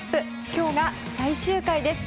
今日が最終回です。